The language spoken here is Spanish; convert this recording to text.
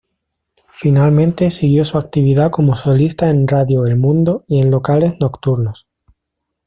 Finalmente siguió su actividad como solista en Radio El Mundo y en locales nocturnos.